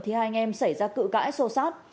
thì hai anh em xảy ra cự cãi xô xát